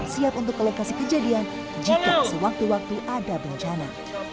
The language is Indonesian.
siap untuk kolekasi kejadian jika sewaktu waktu ada bencana